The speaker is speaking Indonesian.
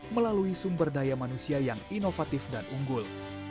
melalui sumber daya manusia yang inovatif dan unggul